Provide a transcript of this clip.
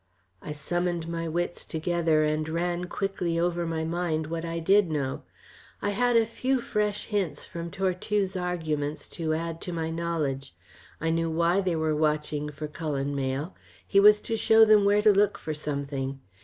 I summoned my wits together, and ran quickly over my mind what I did know. I had a few fresh hints from Tortue's arguments to add to my knowledge. I knew why they were watching for Cullen Mayle. He was to show them where to look for something.